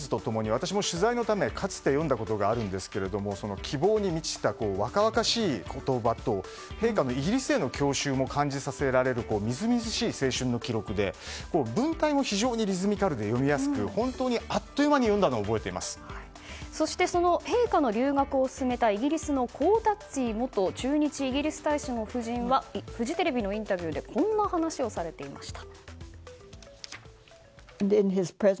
私も取材のためにかつて読んだことがあるんですが希望に満ちた若々しい言葉と陛下のイギリスでの郷愁を感じさせるみずみずしい青春の記録で文体も非常にリズミカルで読みやすく本当にあっという間にそして陛下の留学を進めたイギリスのコータッツィ元駐日イギリス大使の夫人はフジテレビのインタビューでこんな話をされていました。